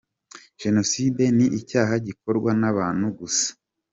Jenoside ni icyaha gikorwa n’abantu gusa.